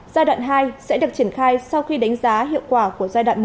giai đoạn hai sẽ được triển khai sau khi đánh giá hiệu quả của giai đoạn một